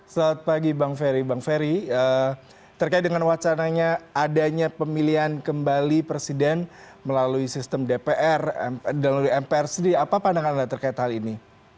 selamat pagi bang ferry bang ferry terkait dengan wacananya adanya pemilihan kembali presiden melalui sistem dpr melalui mpr sendiri apa pandangan anda terkait hal ini